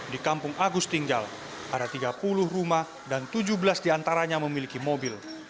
di kampung agus tinggal ada tiga puluh rumah dan tujuh belas diantaranya memiliki mobil